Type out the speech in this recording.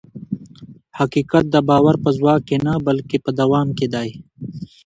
حقیقت د باور په ځواک کې نه، بلکې په دوام کې دی.